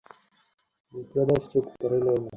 বিপ্রদাস চুপ করে রইল।